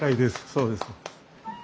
そうです。